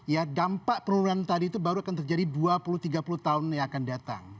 ya dampak penurunan tadi itu baru akan terjadi dua puluh tiga puluh tahun yang akan datang